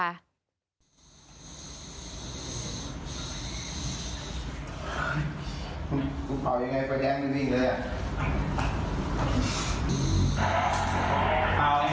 คุณเป่ายังไงไฟแดงหนึ่งหนึ่งเลยอ่ะ